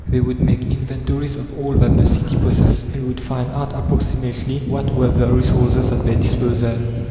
They would make inventories of all that the city possessed, and would find out approximately what were the resources at their disposal.